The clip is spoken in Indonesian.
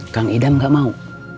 kang idam gak mau